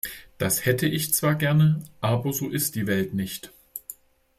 Das hätte ich zwar gerne, aber so ist die Welt nicht.